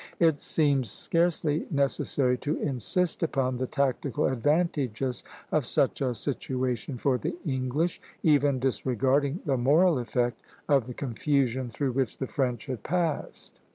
It seems scarcely necessary to insist upon the tactical advantages of such a situation for the English, even disregarding the moral effect of the confusion through which the French had passed.